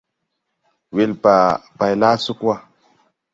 Welba bay laa sug wa.